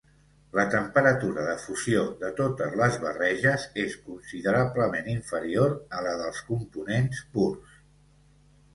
La temperatura de fusió de totes les barreges és considerablement inferior a la dels components purs.